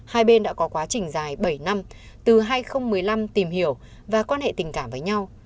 hai bên đã có quá trình dài bảy năm từ hai nghìn một mươi năm tìm hiểu và quan hệ tình cảm với nhau